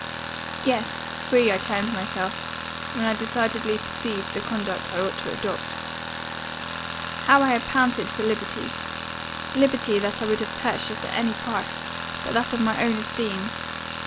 Yes; free I termed myself, when I decidedly perceived the conduct I ought to adopt. How had I panted for liberty liberty, that I would have purchased at any price, but that of my own esteem!